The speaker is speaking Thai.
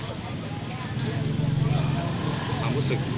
ความรู้สึก